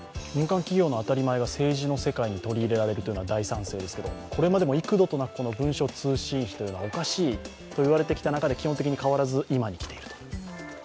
民間企業の当たり前が、政治の世界に取り入れられるのは大賛成ですけどこれまでも幾度となく文書通信費はおかしいと言われてきたにもかかわらず基本的に変わらず今にきていると。